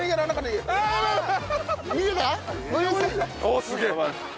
おっすげえ！